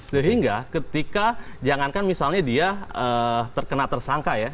sehingga ketika jangankan misalnya dia terkena tersangka ya